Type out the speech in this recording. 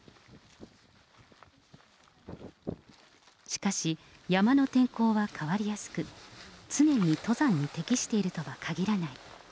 しかし、山の天候は変わりやすく、常に登山に適しているとはかぎらない。